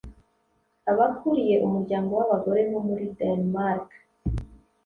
abakuriye umuryango w’abagore bo muri Denmark